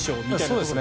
そうですね。